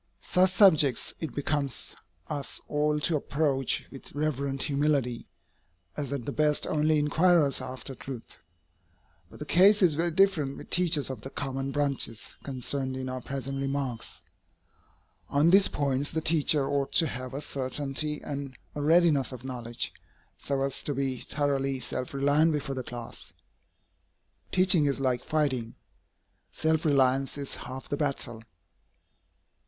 Such subjects it becomes us all to approach with reverent humility, as at the best only inquirers after truth. But the case is very different with teachers of the common branches concerned in our present remarks. On these points the teacher ought to have a certainty and a readiness of knowledge, so as to be thoroughly self reliant before the class. Teaching is like fighting. Self reliance is half the battle.